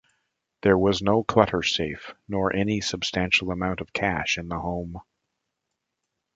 There was no Clutter safe, nor any substantial amount of cash in the home.